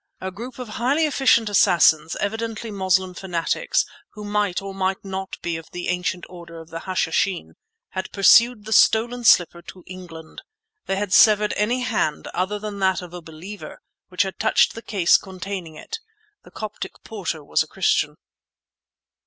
A group of highly efficient assassins, evidently Moslem fanatics, who might or might not be of the ancient order of the Hashishin, had pursued the stolen slipper to England. They had severed any hand, other than that of a Believer, which had touched the case containing it. (The Coptic porter was a Christian.)